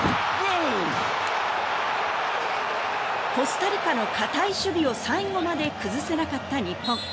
コスタリカの堅い守備を最後まで崩せなかった日本。